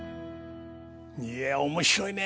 いや面白いね。